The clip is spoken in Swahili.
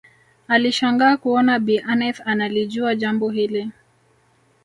Alishangaa kuona Bi Aneth analijua jambo hili